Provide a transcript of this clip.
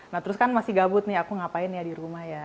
nah terus kan masih gabut nih aku ngapain ya di rumah ya